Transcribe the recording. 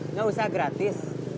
nggak usah gratis